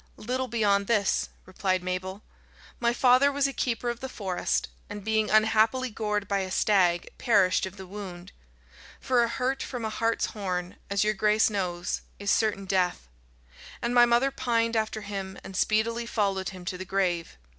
"Little beyond this," replied Mabel: "My father was a keeper of the forest, and being unhappily gored by a stag, perished of the wound for a hurt from a hart's horn, as your grace knows, is certain death; and my mother pined after him and speedily followed him to the grave.